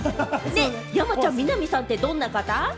山ちゃん、南さんってどんな方？